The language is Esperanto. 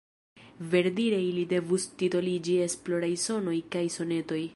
Verdire ili devus titoliĝi Esploraj sonoj kaj sonetoj.